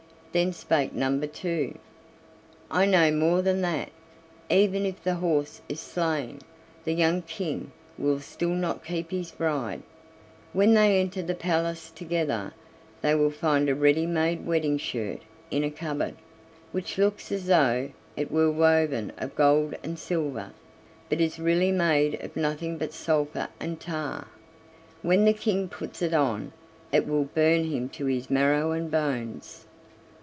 Then spake number two: "I know more than that: even if the horse is slain, the young King will still not keep his bride: when they enter the palace together they will find a ready made wedding shirt in a cupboard, which looks as though it were woven of gold and silver, but is really made of nothing but sulphur and tar: when the King puts it on it will burn him to his marrow and bones."